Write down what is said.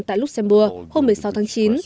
tại luxembourg hôm một mươi sáu tháng chín